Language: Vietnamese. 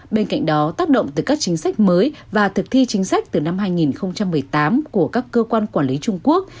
bên cạnh đó tác động từ các chính sách mới và thực thi chính sách từ năm hai nghìn một mươi tám của các cơ quan quản lý trung quốc